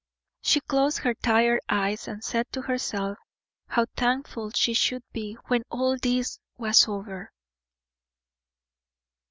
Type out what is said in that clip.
She closed her tired eyes, and said to herself how thankful she should be when all this was over.